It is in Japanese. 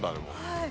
はい。